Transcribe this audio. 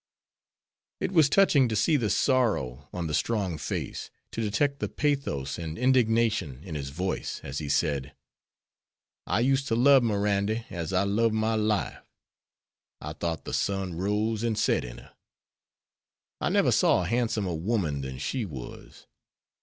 It was touching to see the sorrow on the strong face, to detect the pathos and indignation in his voice, as he said, "I used to love Mirandy as I love my life. I thought the sun rose and set in her. I never saw a handsomer woman than she was.